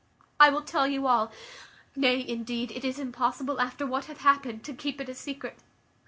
I will tell you all: nay, indeed, it is impossible, after what hath happened, to keep it a secret.